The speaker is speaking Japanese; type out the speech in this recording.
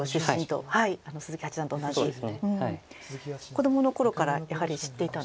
子どもの頃からやはり知っていたんですか？